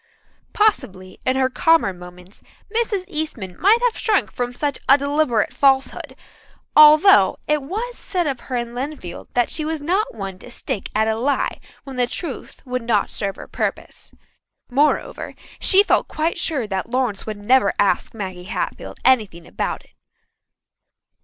Possibly in her calmer moments Mrs. Eastman might have shrunk from such a deliberate falsehood, although it was said of her in Lynnfield that she was not one to stick at a lie when the truth would not serve her purpose. Moreover, she felt quite sure that Lawrence would never ask Maggie Hatfield anything about it.